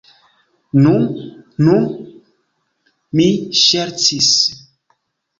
Nu, nu, mi ŝercis.